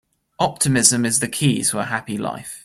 Optimism is the key to a happy life.